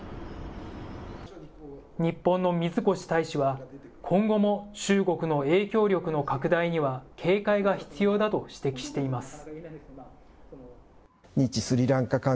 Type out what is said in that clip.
日本の水越大使は、今後も中国の影響力の拡大には、警戒が必要だと指摘しています。